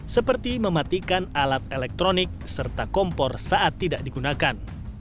seperti mematikan alat elektronik serta kompor saat tidak digunakan